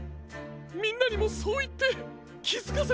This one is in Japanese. みんなにもそういってきづかせてやってください。